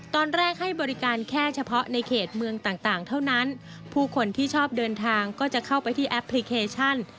ตอนแรกให้บริการแค่เฉพาะในเขตเมืองต่างต่างเท่านั้นผู้คนที่ชอบเดินทางก็จะเข้าไปที่แอปพลิเคชัน